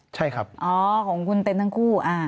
ใช่ครับของคุณเป็นทั้งคู่